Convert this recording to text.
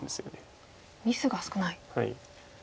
はい。